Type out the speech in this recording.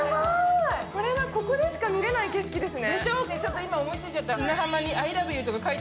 これはここでしか見られない景色ですね。